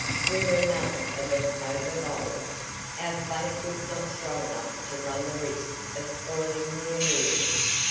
We were none of us overbold; our faith was not strong enough to run the risk of spoiling the illusion.